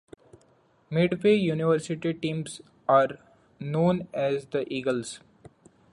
Midway University teams are known as the Eagles.